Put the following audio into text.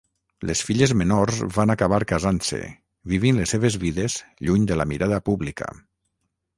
Les filles menors van acabar casant-se, vivint les seves vides lluny de la mirada pública.